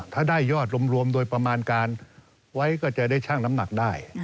ถ้าได้ยอดรวมโดยประมาณการไว้ก็จะได้ชั่งน้ำหนักได้